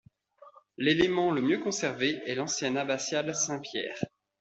L'élément le mieux conservé est l'ancienne abbatiale Saint-Pierre.